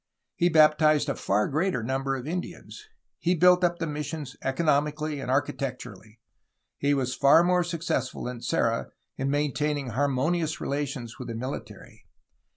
He baptized a far greater number of Indians. He built up the missions economically and architecturally. He was far more successful than Serra in maintaining har 382 A HISTORY OF CALIFORNIA monious relations with the mihtary.